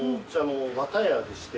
綿屋でして。